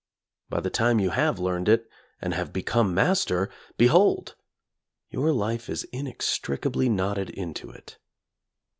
By the time you have learned it, and have become mas ter, behold! your life is inextricably knotted into it.